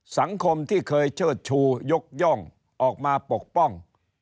สังคมที่เคยเชิดชูยกย่องออกมาปกป้อง